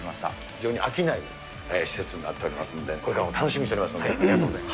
非常に飽きない施設になっておりますので、これからも楽しみにしておりますので。